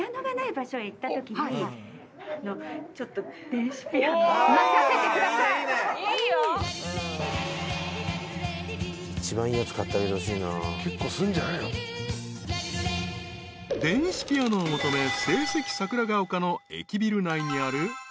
［電子ピアノを求め聖蹟桜ヶ丘の駅ビル内にある楽器店へ］